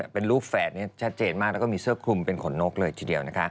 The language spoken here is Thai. เป็นรูปแฝดชัดเจนมากแล้วก็มีเสื้อคลุมเป็นขนนกเลยทีเดียว